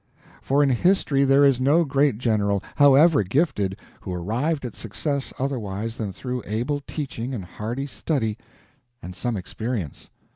For in history there is no great general, however gifted, who arrived at success otherwise than through able teaching and hard study and some experience.